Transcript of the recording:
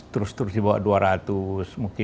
terus terus di bawah dua ratus mungkin